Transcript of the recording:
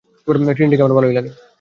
ট্রিনিটিকে আমার ভালোই লাগে।